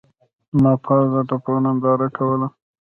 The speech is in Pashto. ما پاس د تپو ننداره کوله.